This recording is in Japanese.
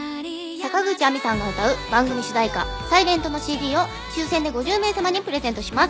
坂口有望さんが歌う番組主題歌『サイレント』の ＣＤ を抽選で５０名様にプレゼントします